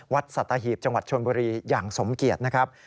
วัดสัตตาหีบจังหวัดชวนบุรีอย่างสมเกียจนะครับ